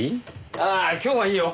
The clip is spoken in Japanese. ああ今日はいいよ。